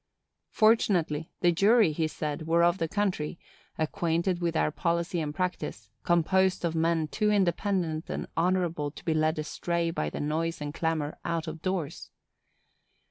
Fortunately, the jury, he said, were of the country, acquainted with our policy and practice; composed of men too independent and honorable to be led astray by the noise and clamor out of doors.